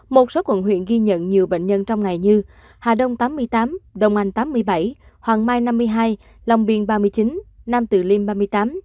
một số quận huyện ghi nhận nhiều bệnh nhân trong ngày như hà đông tám mươi tám đông anh tám mươi bảy hoàng mai năm mươi hai long biên ba mươi chín nam từ liêm ba mươi tám